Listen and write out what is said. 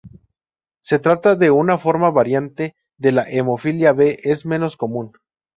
Se trata de una forma variante de la hemofilia B, es menos común.